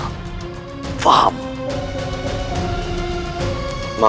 rayi gentring manik